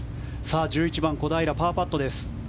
１１番、小平パーパットです。